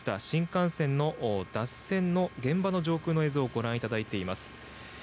新幹線の脱線の現場の上空の映像をご覧いただいています。